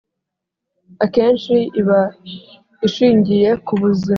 akenshi iba ishingiye ku buzima